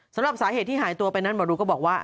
สำหรับสาเหตุที่หายตัวไปนั้นหมอดูก็บอกว่า